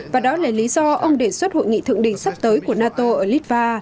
và đó là lý do ông đề xuất hội nghị thượng đỉnh sắp tới của nato ở litva